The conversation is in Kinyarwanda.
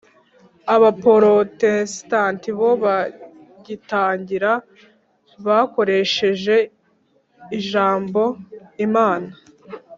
Abaporotestanti bo bagitangira bakoresheje ijambo "Imana".